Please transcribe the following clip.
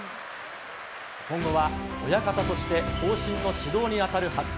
今後は親方として後進の指導に当たる白鵬。